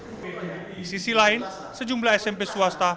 di sisi lain sejumlah smp swasta